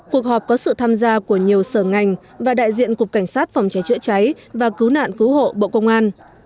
cuộc họp có sự tham gia của nhiều sở ngành và đại diện cục cảnh sát phòng cháy chữa cháy và cứu nạn cứu hộ bộ công an